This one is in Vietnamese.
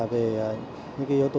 về những cái yếu tố